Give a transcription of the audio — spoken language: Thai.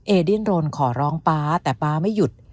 ดินโรนขอร้องป๊าแต่ป๊าไม่หยุด